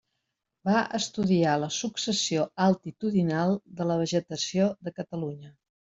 Va estudiar la successió altitudinal de la vegetació de Catalunya.